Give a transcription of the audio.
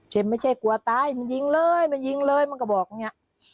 ไม่ใช่กลัวตายมันยิงเลยมันยิงเลยมันก็บอกอย่างนี้